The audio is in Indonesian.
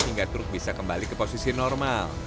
hingga truk bisa kembali ke posisi normal